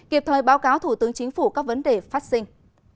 kịp thời báo cáo thủ tướng chính phủ các vấn đề phát sinh